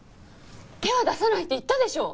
手は出さないって言ったでしょ！